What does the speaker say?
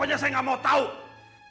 kalian jgn ke antara diri kalian kan